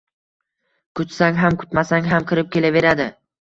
- Kutsang ham, kutmasang ham kirib kelaveradi...